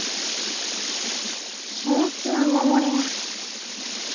秘密は守ります。